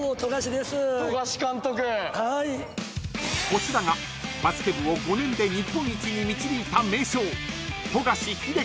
［こちらがバスケ部を５年で日本一に導いた名将］